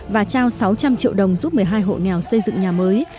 và trao sáu trăm linh triệu đồng giúp một mươi hai hộ nghèo xây dựng nhà mới